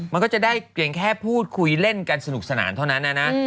มันก็จะได้แค่พูดคุยเล่นกันสนุกสนานเท่านั้น